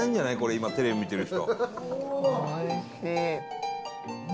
今、テレビ見てる人。